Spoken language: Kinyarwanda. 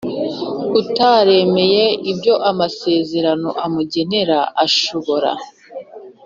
Utaremeye ibyo amasezerano amugenera ashobora